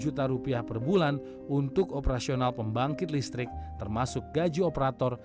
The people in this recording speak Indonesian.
lima juta rupiah per bulan untuk operasional pembangkit listrik termasuk gaji operator